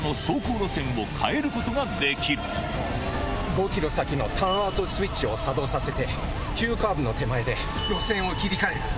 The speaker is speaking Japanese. ５ｋｍ先のターンアウトスイッチを作動させて急カーブの手前で路線を切り替える。